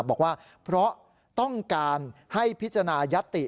บอกว่าเพราะต้องการให้พิจารณายัตติ